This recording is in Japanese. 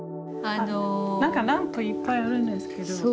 何かランプいっぱいあるんですけど。